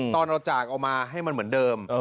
ตอนเอาจากเอามาให้มันเหมือนเดิม